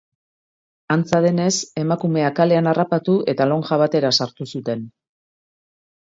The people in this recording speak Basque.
Antza denez, emakumea kalean harrapatu eta lonja batera sartu zuten.